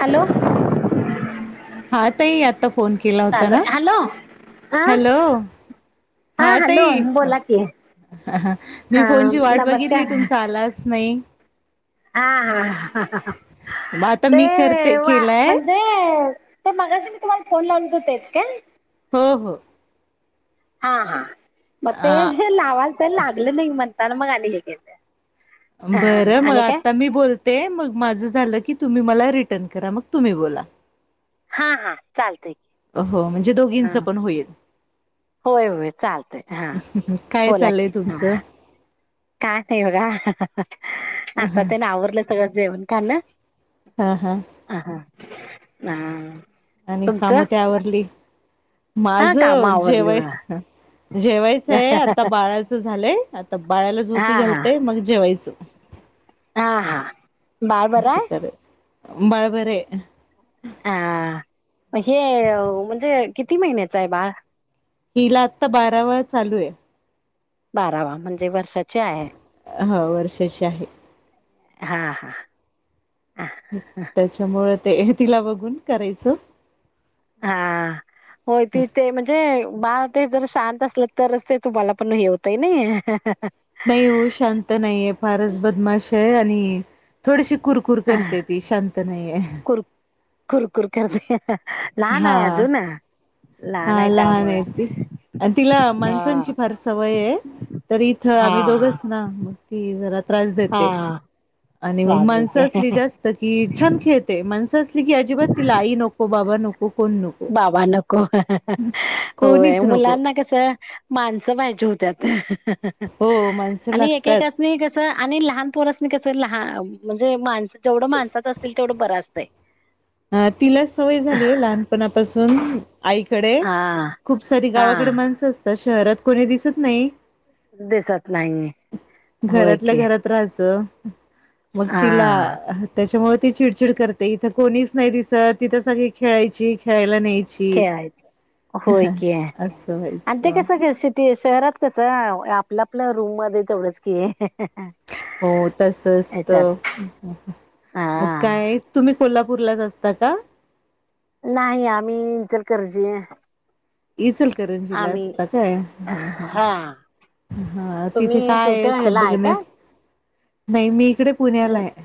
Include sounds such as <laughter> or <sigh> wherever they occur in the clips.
Hello हा तई आता फोन केला होता चालू ना आहे हॅलो आ हॅलो, हा हॅलो तई, ह बोला की मी हा फोनची वाट बघितली नमस्कार तुमचा आलाच नाही. हा मग आता मी ते करते वा केलाय म्हणजे, तर मगाशी मी तुम्हाला फोन लावलोतो तेच काय. हो हो, हा हा मग ते आ हे लावाल तर लागलं नाही म्हणताना मग आणि हे केलं, बरं हा मग आणि काय आता मी बोलत, ते मग माझं झालं की तुम्ही मला रिटर्न करा मग तुम्ही बोला, हा हा चालत की, अ हो म्हणजे हा दोघींच पण होईल, होय होय चालतय हा काय बोला चाललंय की तुमचं हा, का नाही बघा आता ते ना आवरलं सगळं जेवण खान ना, हा हा. आ हां ह, आणि कामतवरली हा माझ काम आवरली जेवय बघा जेवायचं आहे आता बाळाचं झालंय आता बाळाला हा झोपी हा घालतेय मग जेवायचं. हा हा, बाळ बरं अस आहे सुखर बाळ बरे, हा हे म्हणजे किती महिन्याचं आहे बाळ, हिला आता बारा वा चालू आहे. बारावा म्हणजे वर्षाचे आहे. हा वर्षाची आहे. हा हा, हा त्याच्यामुळे ते तिला बघून करायचं, हा होय त ते म्हणजे बाार ते जर शांत असलं तरच ते तुम्हाला पण हे होत, त नाही, नाही हो शांत नाहीये फारच बदमाश आहे आणि थोडीशी कुर कुर करते ती शांत नाहीे. कुर कुरकुर करते लहान हा आहे अजून ना हा लहान आहे ती आणि तिला हा माणसांची फार सवय आहे. तर इथं हा आम्ही हा दोघंच ना मग ती जरा त्रास हा देते. आणि मग त्रास माणसं देते असली जास्त. की छान खेळते माणसं असली की अजिबात तिला आई नको बाबा नको कोण नको, नक कोणीच नको ल, माणसं पाहिजे होत हो माणसं आणि लागतात एकका. नाही कसं आणि लहानपोरस कस लह म्हणजे माणस जेवढं माणसात असतील तेवढं बर असतंय, अ तिला सवय झालीय लहानपणापासून, आईकडे हा खूप सारी गावाकडे हा माणसं असतात शहरात कोणी दिसत नाही. दिसत नाही होय घरातल्या की, घरात मग हा तिला त्याच्या मुळे चडचिड करते इथ कोणी च, नाही तिस तिथं सगळी खेळायची खेळायला नाहीयची, खेळायचं होय की असं आणि ते व्हायचं कसं खेळ शिक ते शहरात कसं आपल्या आपल्या रूम मध्ये तेवढंच की हो तसच ह्याच्यात तर हा मग काय, तुम्ही कोल्हापूरलाच असता का नाही आम्हीचर करजी आहे. इचलकरंजीला असता काय हा ह, हा तिथे तुम्ही काय कुठं आहे ह्याला काय? बघण्यास नाही मी इकडे पुण्याला आहे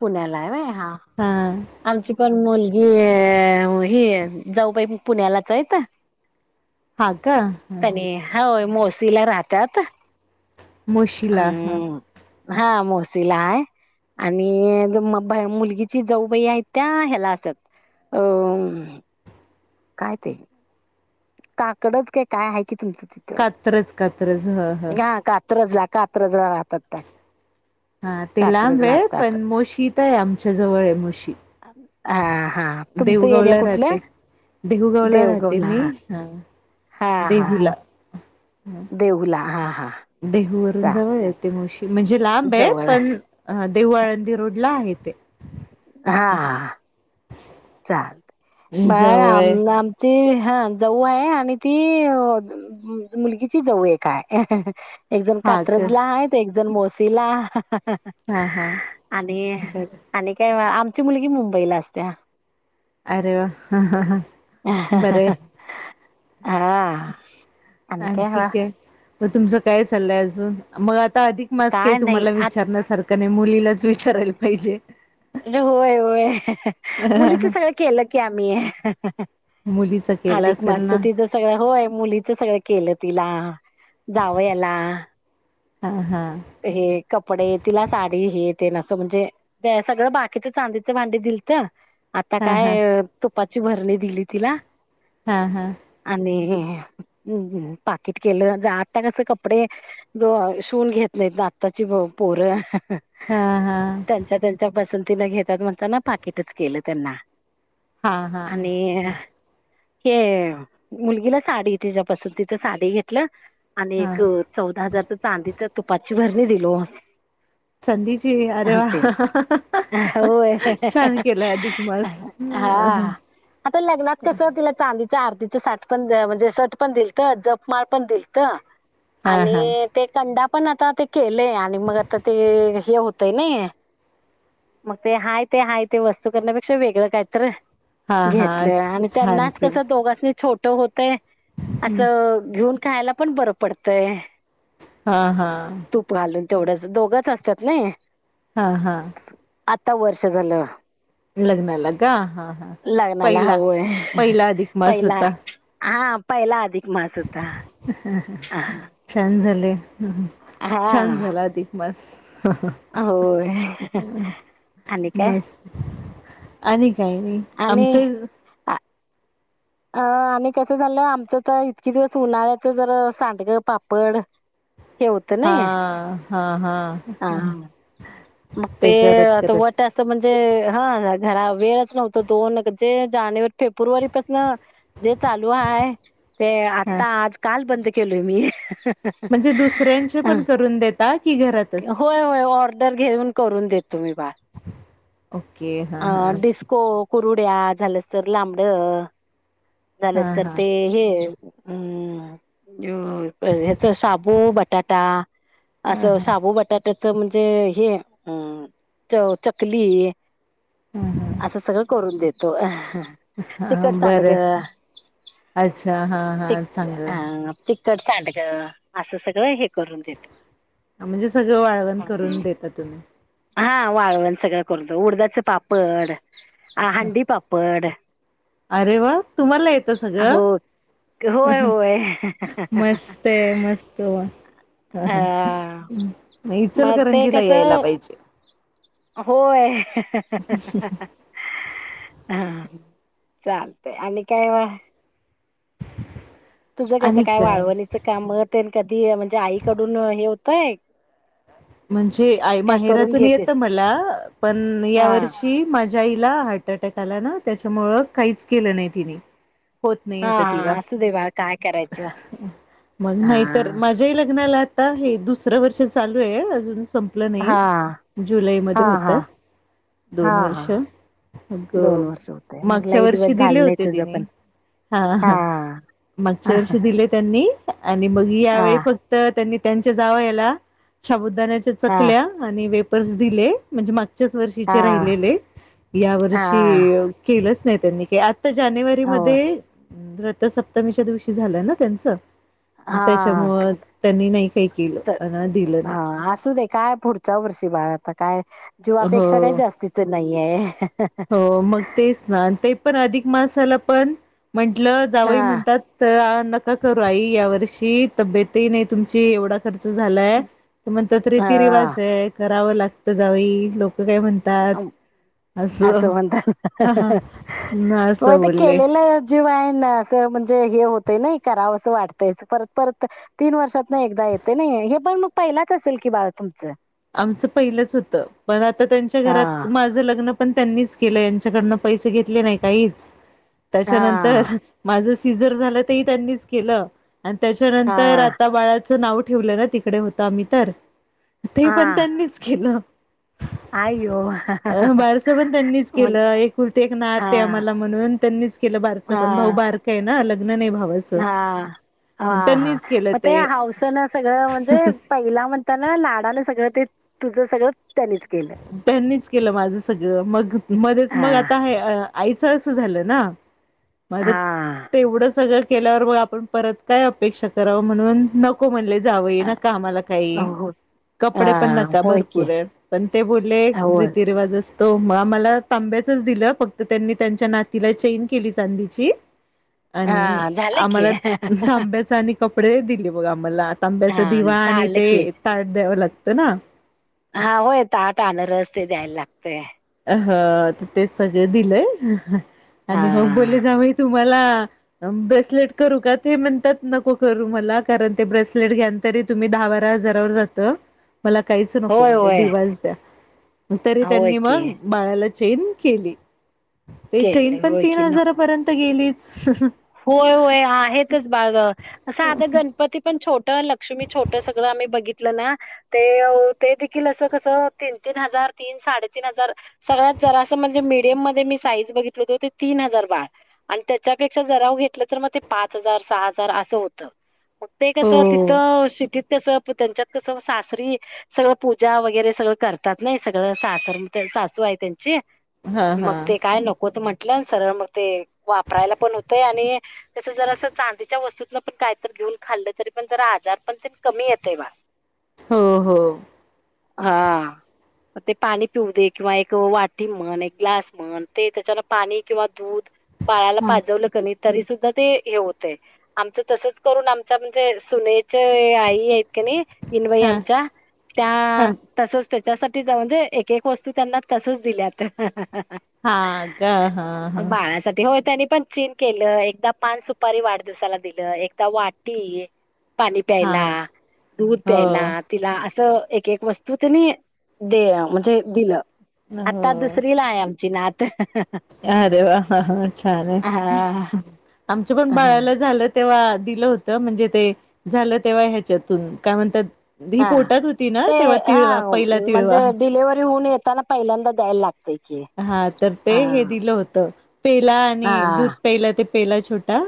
पुण्याला आहे व्हय हा <inaudible> आमची पण मुलगी अ ही जाऊबाई पुण्यालाच आहे का. हा का हम. होय मोसला राहतात हा मोस. सिलाय आणि म मुलगीची जाऊबाई आहेत त्या ह्याला असतात. अ. काय ते. काकडच काय काय आहे की तुमचं तिथ. कात्रच कात्रच हा हा. ्रजला कात रजला राहात का. हा ते लांब आहे पण मोशी तर आहे आमच्या जवळ आहे मोशी. हा हा. तुमचं एरिया देऊगावला कुठलं? राहते देऊगावला राहते मी हा. हा हा देहुला. देऊला हा हां. देहू वून जवळ येत मुशी म्हणजे लांब वेळ जवळ आहे पण. अ देव आळंदी रोडला आहे ते असं चाल म जवळ आम आहे आमची हा जऊ आहे आणि ती. मुलगीची जवऊ एक काय. एक जण हा का कात्रजला आहे एक जण मोसला. हा हा आणि बर आणि काय आमची मुलगी मुंबईला असते. अरे वा हा ह ह. हा. आणि काय हवा ठीक आहे मग तुमचं काय चाललंय अजून मग आता अधिक. माझ काही काय नाही तुम्हाला अरे विचारण्यासारखं नाही मुलीलाच विचारायला पाहिजे. होय होय मुलीच सगळ केलं की आम्ही. मुलीच केलं अधिक असेल मासचं ना? ते जस सगळ होय मुलीच सगळं केलं तिला जावंयाला हा हा हे कपडे तिला साडी हे तेन असं म्हणजे सगळं बाकीच चांदीच भांडी दिलत आता हा हा काय तुपाची बरणी दिली तिला हा हा आणि हम्म हम्म पाकिट केलं आता कस कपडे शिवून घेत नाहीतर आत्ताची पोरं हा हा त्यांच्या त्यांच्या पसंतीला घेतात म्हणतात ना पाकिटच केलं त्यांना हा हा हा आणि हे मुलगीला साडी तिच्या पसंतीच साडी घेतलं आणि हा एक चौदा हजारच चांदीच तुपाची बरणी दिलो. चांदीची अरे वा. ते होय छान केलाय अधिक मास. हा. आता लग्नात कस तिला चांदीच्या आर्तीचं साठ पण म्हणजे सर्ट पण दिलत जपमाळ पण दिलत. हा हा आणि ते कंडा पण आता ते केलेय आणि मग आता ते हे होतय ना. मग ते हाय ते हाय ते वस्तू करण्यापेक्षा वेगळं काय तर. हा हा घेतलं आणि छान त्यांनाच कस केलं. दोघांसनी छोट होतय असं घेऊन खायला पण बरं पडतय. हा हा तूप घालून तेवढंच दोघंच असत्यात नई हा हा आता वर्ष झालं. लग्नाला का हा हां लग्नाला पहिला होय. पहिला अधिक मास पहिला होता. हा पहिला अधिक मास होता छान झाले हा छान झाला अधिक बस होय आणि काय मस आणि काही नाही आणि आमचं हा आणि कसं झालं आमचं तर इतके दिवस उन्हाळ्याच जरा सांडगं पापड हे होतं हा नाही हा हा हा मग ते करत करत आता ते असं म्हणजे हा जरा वेळच नव्हता दोन म्हणजे जानेवारी फेब्रुवारीपासन जे चालू आहे ते हा आता आज काल बंद केलोय मी म्हणजे दुसऱ्यांचे अ पण करून देता की घरातच होय होय ऑर्डर घेऊन करून देतो मी बाहेर ओके हां हां अ कुरुड्या झालस तर लांबड झालंस हां तर हां ते हे हम्म जो ह्याच शाबू बटाटा असं शाबू बटाट्याच म्हणजे हे अ च चकली असं सगळं करून देत. तो आ ह तिकट हां सांडक बरं अच्छा हां ते हां चांगलं ह तिखट सांडग असं सगळं हे करून देतो. हा म्हणजे सगळं वाळवण करून देता तुम्ही हा वाळवण सगळं करतो उडदाच पापड हंडी पापड अरे व्वा तुम्हाला येतं सगळं हो होय होय मस्त आहे मस्त व्वा अ ह इचल मग ते करंजीला कसं यायला पाहिजे होय हा चालतय आणि काय <inaudible> तुझं कसं काय वाळवणीच कामते कधी म्हणजे आई कडून हे होतय म्हणजे आई माहेरातून येतं मला पण या हा वर्षी माझ्या आईला हार्ट अटॅक आला ना त्याच्यामुळं काहीच केलं नाही तिनी होत नाही हा आता तिला हा असू दे बाळ काय करायचं मग हा नाही तर माझ्याही लग्नाला आता हे दुसरं वर्ष चालू आहे अजून संपलं नाही हा हा जुलैमध्ये हा होतात हा दोन हा वर्ष मग दोन वर्ष होतय मग मागच्या लई वर्षी दिवस दिले झालं नाही होते तुझं तिने पण हा हा हा मागच्या वर्षी दिले त्यांनी आणि मग हा यावेळी फक्त त्यांनी त्यांच्या जावायाला शाबुदाण्या्याच्या हा चकल्या आणि वेपर्स दिले म्हणजे माग मागच्याच वर्षीचे हा राहिलेले या हा वर्षी केलंच नाही त्यांनी आता जानेवारी हो मध्ये रथसप्तमीच्या दिवशी झालंय ना त्यांचं मग हा त्याच्यामुळं त्यांनी नाही काही केलं अ दिलं नाही. हा असू दे काय पुढच्या वर्षी बाळ आता काय जीवापेक्षा काही हो जास्तीच नाहीये. हो मग तेच ना ते पण अधिक मसाला पण म्हंटलं जावई हा म्हणतात न का करू आई या वर्षी तब्येतही नाही तुमची एवढा खर्च झालाय म्हणतात रीती हा रिवाज कराव लागत जा लोक काय म्हण असं ह हा म्हणतात ना म असं ते बोलले केलेलं जेव्हा आहेना असं म्हणजे हे होतं नाही रावंस वाटतंय परत परत तीन वर्षात नाही एकदा येते नाही हे पण मग पहिलाच असेल की बाळं तुमचं आमचं पहिलंच होतं पण आता त्यांच्या हा घरात मा माझ लग्न पण त्यांनीच केलं, यांच्याकडन पैसे घेतले नाही काहीच त्याच्यानंतर हा माझ सिझर झालं, तरही त्यांनीच केलं, आणि त्याच्यानंतर हा आता बाळाचं नाव ठेवलं ना- तिकडे होतो आम्ही तर, ते ही पण त्यांनीच केलं. आईयो. बारसं पण त्यांनीच केलं, एकउलती एक हा नात आहे आम्हाला म्हणून, त्यांनीच- केलं, बारच पण, हा भाऊ बारका आहे ना, लग्न नाही भावच हा, हा, हा, मग ते हावसन सगळं म्हणजे पहिला म्हणताना लाडान सगळं ते तुझं सगळं त्यांनीच केलं त्यांनीच केलं माझ सगळ, मग मध्येच हा मग आता हे. आईचं असं झालं ना, माझ हा तेवढं सगळं केल्यावर मग, आपण परत काय अपेक्षा करावं म्हणून न नको म्हणले जावाई, अ, नका आम्हाला काही हो कपडे पण हा नका होय की भरपूर आहे. पण ते बोलले रीती होय रीतीरिवाज असतो, मग आम्हाला तांब्याचच दिलं, फक्त त्यांनी त्यांच्या नातीला चेन केली चांदीची. आणि हा झालं की आम्हाला तांब्याचा आणि कपडे दिले बघ आम्हाला. तांब्याचा हा दिवा, आणि झालं ते की ताट, द्यावं लागतं ना. हा होय ताटा अनारस ते द्यायला लागत. ह ते सगळं दिलंय, हा आणि हो बोले जाबाई तुम्हाला ब्रेसलेट करू का, ते म्हणतात नको करू मला, कारण ते ब्रेसलेट घ्या तरी तुम्ही दहा बारा हजारावर जात. मला काहीच नको होय म्हणले, होय दिवाच द्या तरी होय त्यांनी की मग बाळाला चैन केली, ते चैन केलं पण होय तीन हजारपर्यंत पर्यंत गेलीच. होय-होय आहेतच बाग, असं आग गण गणपती पण छोटं, लक्ष्मी छोटं, सगळं आम्ही बघितलं ना. ते, ते देखील असं कसं तीन-तीन हजार, तीन साडेतीन हजार. सगळ्यात जरासं म्हणजे, मीडियम मध्ये मी साईज बघितल हो ते तीन हजार बाळ, आणि त्याच्यापेक्षा पेक्षा जरा घेतल तर, मग ते पाच हजार, सहा हजार, अस होत मग ते हो कसं तर शिटीत कसं त्यांच्यात कसं सासरी सगळं पूजा वगैरे सगळं करतात नाही, सगळं सासर सासू आहे त्यांची. हा मग हा ते काय नकोच म्हटलं, सरळ मग ते वापरायला पण होतय आणि तस जर अस चांदीच्या वस्तूतलं पण कायतरी घेऊन खाल्लं तरी पण जरा आजारपण तेन कमी येतंय बाळ हो हो हा ते पाणी पिऊदे किंवा एक वाटी म्हण, एक ग्लास म्हण ते त्याच्यान पाणी किंवा दूध बाळाला हा पाजवलं कनी तरी सुद्धा ते हे होतय. आमचं तसच करून आमचं आमचं म्हणजे सुनेचं हे आई आहेत. क नाही ईन बाई हा आमच्या त्या हा तसच त्याच्यासाठी त्या म्हणजे एक एक वस्तू त्यांना तसंच दिल्यात हा का हा हा बाळासाठी होय त्यांनी पण चीन केलं, एकदा पान सुपारी वाढदिवसाला दिलं, एकदा वाटी पाणी हा प्यायला, दूध हो प्यायला तिला असं एक एक वस्तू तेनी दे म्हणजे दिलं आता हो दुसरीला आहे आमची नात अरे वा ह छान आहे, हा. आमच पण बाळाला झालं तेव्हा दिलं होत, म्हणजे ते झालं तेव्हा ह्याच्यातून काय म्हणतात ही हा पोटात होती ना ते तेव्हा हा तिळवा पहिला तिळवा म्हणजे डिलेव्हरी होऊन येताना पहिल्यांदा द्यायला लागतय. हा तर ते हे दिलं होतं पेला आणि हा दुध पेला ते पेला छोटा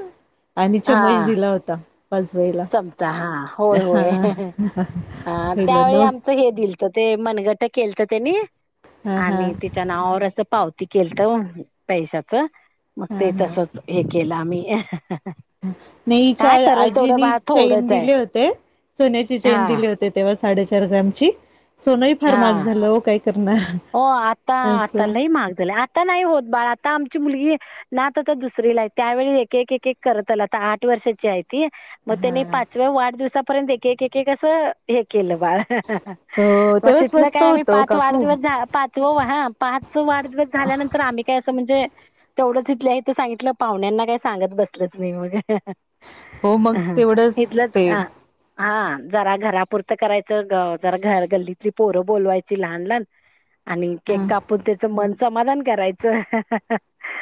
आणि हा चम्मच दिला होता. पाच वईला चमचा हा होय हा होय. अ पहिल्यांद त्यावेळी वा आमचं हे दिलत ते मनगट केलंत त्यांनी हा हा आणि ते च्या नावावर असं पावती केलंत पैशाच मग हा ते हा तसच हे केलं आम्ही नही हिच्या काय करल तेवढं आजींनी बाळ चैन थोडंच आहे दिले होते सोन्याची चैन हा दिले होते तेव्हा साडेचार ग्रामची सोनंही फार महाग हा झालं हो काय करणार हो आता आता असं लई महाग झालय आता नाही होत बाळ आता आमची मुलगी ना तर तर दुसरी ला आहे त्यावेळी एक एक एक एक करत आता आठ वर्षाची आहे ती मग त्यांनी पाचव्या वाढदिवसापर्यंत एक एक एक असं हे केलं बाळ हो मग तेव्हा तिथंन स्वस्त काय आम्ही होत ओ पाच काकू वाढदिवस जा पाचव हा पाच वाढदिवस झाल्यानंतर आम्ही काय असं म्हणजे तेवढंच इथल्या आहे तर सांगितलं पाहुण्यांना काही सांगत बसलच नाही मग हो मग हा तेवढंच इथलंच ते अ हा जरा घरापुरतं करायचं ग जरा घर गल्लीत पोरं बोलवायची लहान लहान आणि केक हं कापून ते मन समाधान करायचं ह- ह